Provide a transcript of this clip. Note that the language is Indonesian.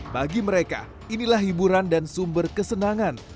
bagi mereka inilah hiburan dan sumber kesenangan